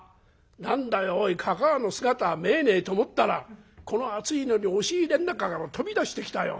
何だよおいかかあの姿見えねえと思ったらこの暑いのに押し入れの中から飛び出してきたよ。